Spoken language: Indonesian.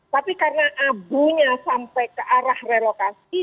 tapi karena abunya sampai ke arah relokasi